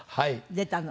出たの。